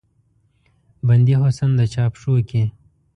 بندي حسن د چا پښو کې